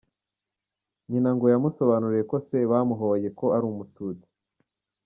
Nyina ngo yamusobanuriye ko se bamuhoye ko ari umututsi.